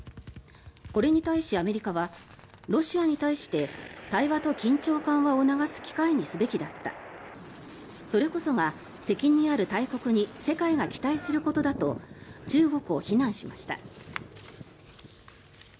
これに対しアメリカはロシアに対して対話と緊張緩和を促す機会にすべきだったそれこそが責任ある大国に世界が期待することだと中国を非難しました。